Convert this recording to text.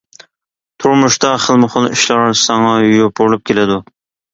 تۇرمۇشتا خىلمۇ خىل ئىشلار ساڭا يوپۇرۇلۇپ كېلىدۇ.